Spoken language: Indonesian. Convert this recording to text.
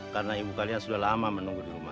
karena ibu kalian sudah lama menunggu di rumah